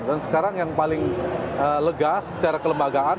dan sekarang yang paling lega secara kelembagaan